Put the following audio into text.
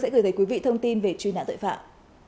sẽ gửi tới quý vị thông tin về truy nã tội phạm